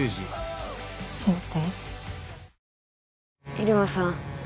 入間さん。